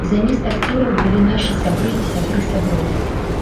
І замест акцёраў былі нашы сябры і сябры сяброў.